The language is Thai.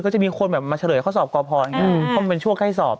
ก็จะมีคนมาเฉลยข้อสอบกรพเพราะมันเป็นชั่วใกล้สอบ